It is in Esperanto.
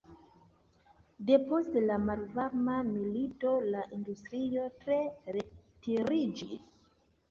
Depost la malvarma milito la industrio tre retiriĝis.